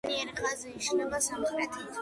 მწვანე ხაზი იშლება სამხრეთით.